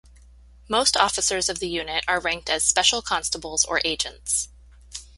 Most officers of the unit are ranked as Special Constables or Agents.